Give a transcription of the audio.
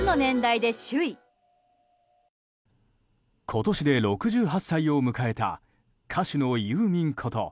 今年で６８歳を迎えた歌手のユーミンこと